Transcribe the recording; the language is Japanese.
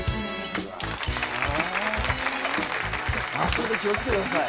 足元気を付けてください。